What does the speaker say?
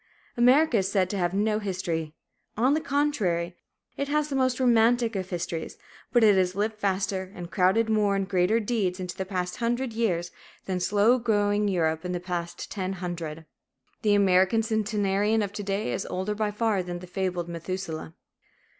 America is said to have no history. On the contrary, it has the most romantic of histories; but it has lived faster and crowded more and greater deeds into the past hundred years than slow going Europe in the last ten hundred. The American centenarian of to day is older by far than the fabled Methuselah.